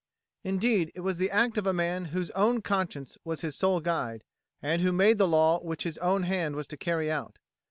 Indeed it was the act of a man whose own conscience was his sole guide, and who made the law which his own hand was to carry out.